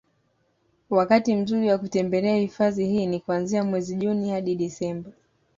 Wakati mzuri wa kutembelea hifadhi hii ni kuanzia mwezi Juni hadi Desemba